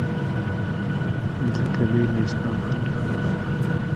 ځکه بې له اسلام هره لاره بده